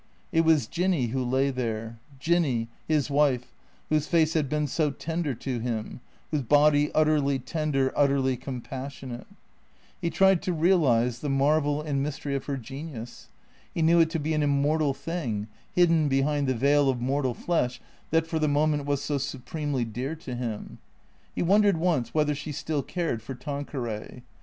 It was Jinny who lay there, Jinny, his wife, whose face had been so tender to him, whose body ut terly tender, utterly compassionate. He tried to realize the THE CREATOKS 351 marvel and mystery of her genius. He knew it to be an immor tal thing, hidden behind the veil of mortal flesh that for the moment was so supremely dear to him. He wondered once whether she still cared for Tanqueray.